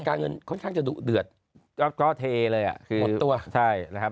การเงินค่อนข้างจะดุเดือดก็เทเลยอ่ะหมดตัวใช่นะครับ